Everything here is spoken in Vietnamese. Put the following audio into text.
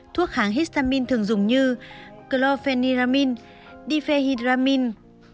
thuốc kháng histamine thường dùng như clophenyramine difehydramine